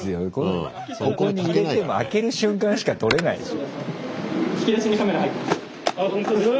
ここに入れても開ける瞬間しか撮れないでしょ。